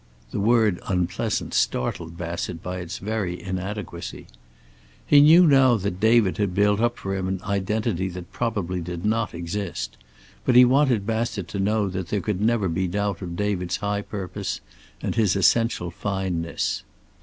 (The word "unpleasant" startled Bassett, by its very inadequacy.) He knew now that David had built up for him an identity that probably did not exist, but he wanted Bassett to know that there could never be doubt of David's high purpose and his essential fineness.